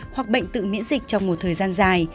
hoặc bệnh tự miễn dịch trong một thời gian dài